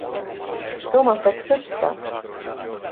Thomas läks sõtta!